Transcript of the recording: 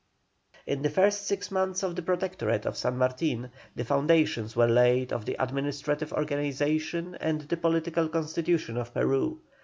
In the first six months of the Protectorate of San Martin the foundations were laid of the administrative organization and the political constitution of Peru.